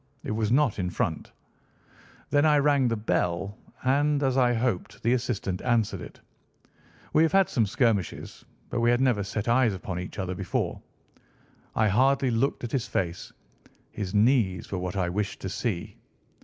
It was not in front. Then I rang the bell, and, as I hoped, the assistant answered it. We have had some skirmishes, but we had never set eyes upon each other before. I hardly looked at his face. His knees were what I wished to see.